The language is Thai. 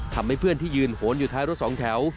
ทำให้เพื่อนที่ยืนโหนอยู่ท้ายรถ๒แถว